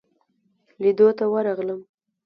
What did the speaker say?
لیدلو ته ورغلم.